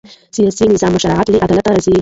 د سیاسي نظام مشروعیت له عدالت راځي